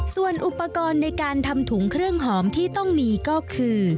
ส่วนอุปกรณ์ในการทำถุงเครื่องหอมที่ต้องมีก็คือ